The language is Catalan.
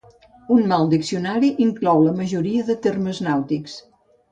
Un mal diccionari inclou la majoria de termes nàutics.